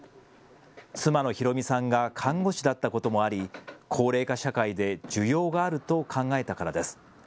妻の広美さんが看護師だったこともあり、高齢化社会で需要があると考えたからです。